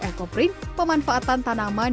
ecoprint pemanfaatan tanaman